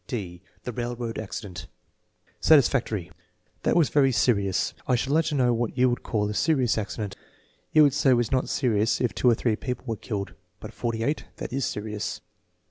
'" (d) The railroad accident Satisfactory. "That was very serious." "I should like to know j what you would call a serious accident!" "You could say it was not serious if two or three people were killed, but forty eight, that is serious."